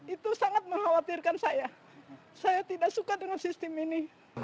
itu sangat mengkhawatirkan saya saya tidak suka dengan sistem ini